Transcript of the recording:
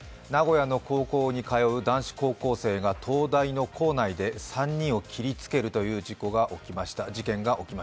名古屋の高校に通う男子高校生が東大の構内で３人を切りつけるという事件が起きました。